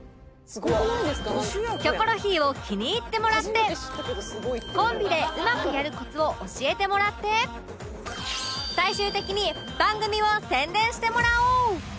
『キョコロヒー』を気に入ってもらってコンビでうまくやるコツを教えてもらって最終的に番組を宣伝してもらおう